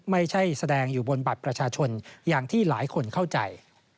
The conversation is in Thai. ไม่ใช่แสดงอยู่บนบัตรประชาชนอย่างที่หลายคนเข้าใจ